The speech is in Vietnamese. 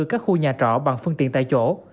các khu nhà trọ bằng phương tiện tại chỗ